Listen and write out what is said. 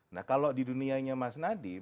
nah kalau di dunianya mas nadiem